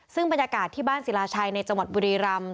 ซึ่งบรรยากาศที่บ้านศิลาชัยในจังหวัดบุรีรำ